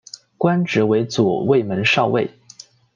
官职为左卫门少尉。